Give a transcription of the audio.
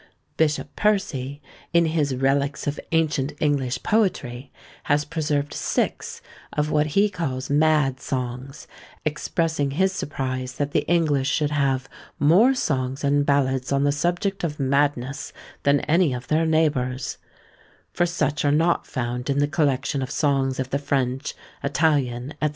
Bishop Percy, in his "Reliques of Ancient English Poetry," has preserved six of what he calls "Mad Songs," expressing his surprise that the English should have "more songs and ballads on the subject of madness than any of their neighbours," for such are not found in the collection of songs of the French, Italian, &c.